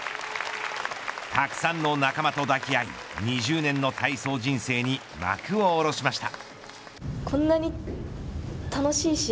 たくさんの仲間と抱き合い２０年の体操人生に幕を下ろしました。